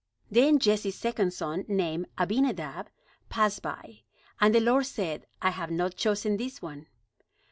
Then Jesse's second son, named Abinadab, passed by. And the Lord said: "I have not chosen this one."